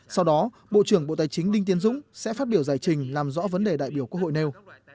sau đó bộ trưởng bộ tài chính đinh tiến dũng sẽ phát biểu giải trình làm rõ vấn đề đại biểu quốc hội nêu